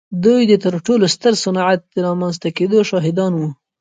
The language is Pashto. دوی د تر ټولو ستر صنعت د رامنځته کېدو شاهدان وو.